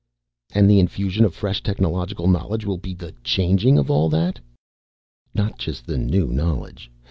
"And the infusion of fresh technological knowledge will be the changing of all that?" "Not just the new knowledge.